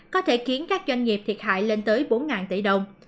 có thể khiến các doanh nghiệp thiệt hại lên tới bốn tỷ đồng